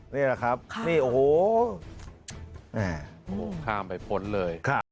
นี่แหละครับนี่โอ้โหแม่ข้ามไปพ้นเลย